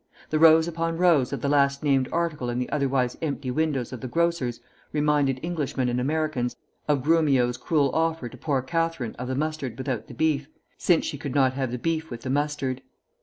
The rows upon rows of the last named article in the otherwise empty windows of the grocers reminded Englishmen and Americans of Grumio's cruel offer to poor Katherine of the mustard without the beef, since she could not have the beef with the mustard.